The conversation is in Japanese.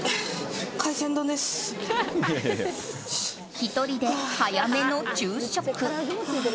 １人で早めの昼食。